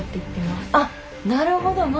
あっなるほど。